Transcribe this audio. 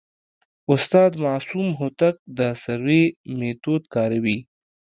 استاد معصوم هوتک د سروې میتود کاروي.